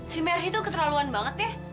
si mercy tuh keterlaluan banget ya